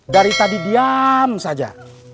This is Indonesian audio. dari tadi diam saja